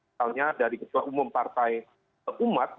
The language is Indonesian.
misalnya dari ketua umum partai umat